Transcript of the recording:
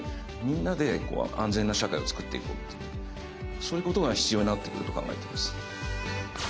そういうことが必要になってくると考えています。